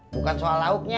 bukan soal lauknya